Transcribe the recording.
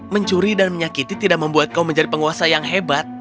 mencuri dan menyakiti tidak membuat kau menjadi penguasa yang hebat